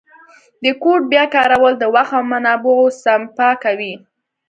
د کوډ بیا کارول د وخت او منابعو سپما کوي.